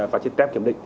và trên tem kiểm định